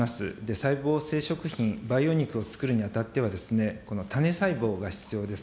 細胞性食品、培養肉をつくるにあたってはですね、この種細胞が必要です。